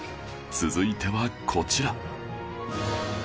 続いてはこちら